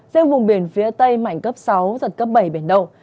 riêng vùng biển phía tây mạnh cấp sáu giật cấp bảy biển động